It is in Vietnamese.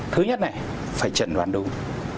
thứ nhất này phải chẩn đoán đúng